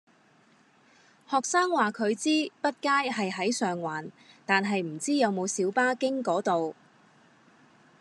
學生話佢知畢街係喺上環，但係唔知有冇小巴經嗰度